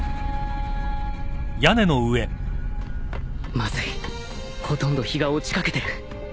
まずいほとんど日が落ちかけてる